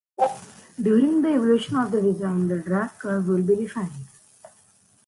During the evolution of the design the drag curve will be refined.